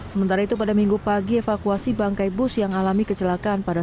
sementara itu pada minggu pagi evakuasi bangkai bus yang alami kecelakaan pada